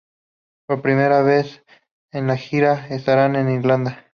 Por primera vez en la gira estará en Irlanda.